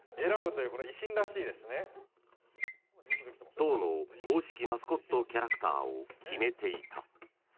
党の公式マスコットキャラクターを決めていた。